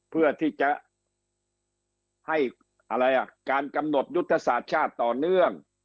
เพื่อที่จะให้การกำหนดยุทธศาสตร์ชาติต่อเนื่อง